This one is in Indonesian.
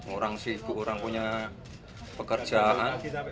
orang sibuk orang punya pekerjaan